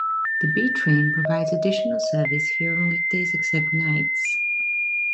The B train provides additional service here on weekdays except nights.